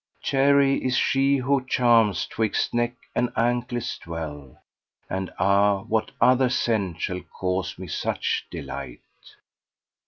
Chary is she of charms twixt neck and anklets dwell, * And ah! what other scent shall cause me such delight?